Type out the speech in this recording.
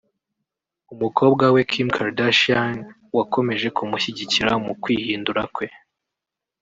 umukobwa we Kim Kardashian wakomeje kumushyigikira mu kwihindura kwe